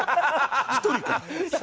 １人か。